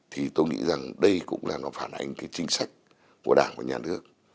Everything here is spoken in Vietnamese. thì tôi nghĩ rằng đây cũng là nó phản ánh cái chính sách của đảng và nhà nước